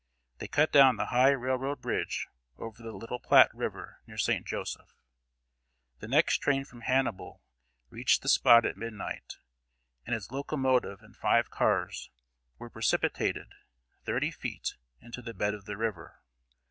They cut down the high railroad bridge over the Little Platte River near St. Joseph. The next train from Hannibal reached the spot at midnight, and its locomotive and five cars were precipitated, thirty feet, into the bed of the river.